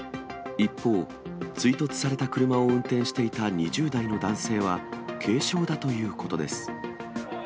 一方、追突された車を運転していた２０代の男性は、軽傷だということです。